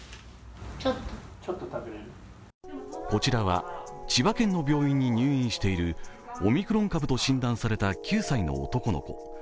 こちらは千葉県の病院に入院しているオミクロン株と診断された９歳の男の子。